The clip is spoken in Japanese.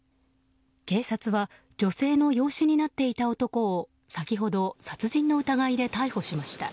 警察は女性の養子になっていた男を先ほど殺人の疑いで逮捕しました。